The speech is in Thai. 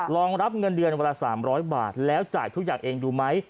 รองรับเงินเดือนวันละ๓๐๐บาทแล้วจ่ายทุกอย่างเองดูไหม